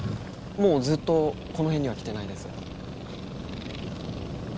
もうずっとこの辺には来てないです。